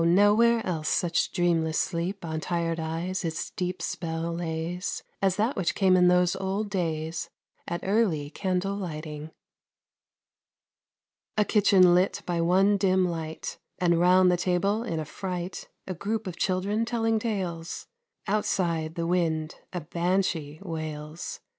nowhere else such dreamless sleep On tired eyes its deep spell lays, As that which came in those old days At early candle lighting. A kitchen lit by one dim light, And 'round the table in affright, A group of children telling tales. Outside, the wind a banshee wails.